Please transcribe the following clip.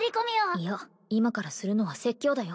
いや今からするのは説教だよ